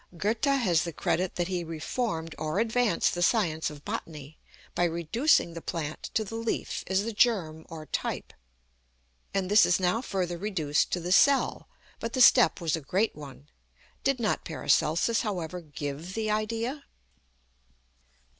GOETHE has the credit that he reformed or advanced the Science of Botany, by reducing the plant to the leaf as the germ or type; and this is now further reduced to the cell, but the step was a great one. Did not PARACELSUS, however, give the idea?